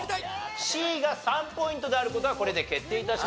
Ｃが３ポイントである事はこれで決定致しました。